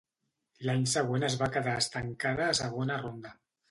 L'any següent es va quedar estancada a segona ronda.